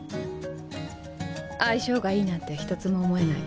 相性がいいなんて一つも思えない。